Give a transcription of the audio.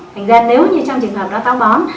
thành ra nếu như trong trường hợp đó táo bón